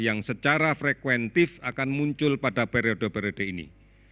yang secara frekuentif akan muncul pada periode periode ini